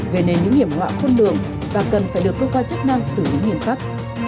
gây nên những hiểm họa khôn lường và cần phải được cơ quan chức năng xử lý nghiêm khắc